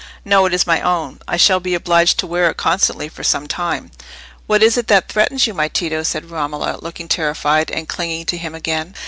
"No; it is my own. I shall be obliged to wear it constantly, for some time." "What is it that threatens you, my Tito?" said Romola, looking terrified, and clinging to him again.